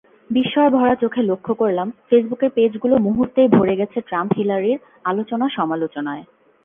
বিস্ময়ভরা চোখে লক্ষ করলাম, ফেসবুকের পেজগুলো মুহূর্তেই ভরে গেছে ট্রাম্প-হিলারির আলোচনা-সমালোচনায়।